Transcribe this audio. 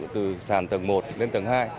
từ sàn tầng một lên tầng hai